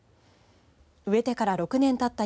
植えてから６年たった